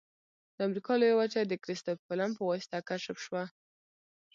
د امریکا لویه وچه د کرستف کولمب په واسطه کشف شوه.